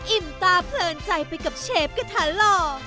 อิ่มตาเพลินใจไปกับเชฟกระทะหล่อ